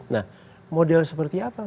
nah model seperti apa